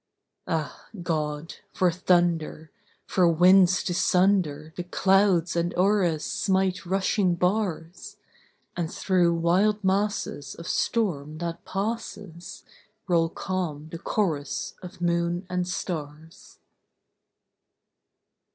Ah, God! for thunder! for winds to sunder The clouds and o'er us smite rushing bars! And through wild masses of storm, that passes, Roll calm the chorus of moon and stars.